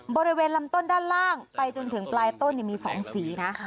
บริเวณลำต้นด้านล่างไปจนถึงปลายต้นมี๒สีนะ